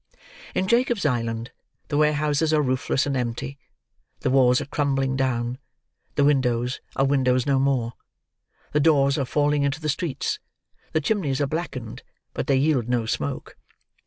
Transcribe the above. In Jacob's Island, the warehouses are roofless and empty; the walls are crumbling down; the windows are windows no more; the doors are falling into the streets; the chimneys are blackened, but they yield no smoke.